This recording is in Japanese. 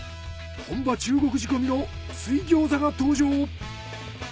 本場中国仕込みの水餃子が登場！